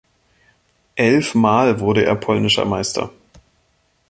Elfmal wurde er polnischer Meister.